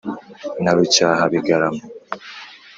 Na Rucyahabigarama,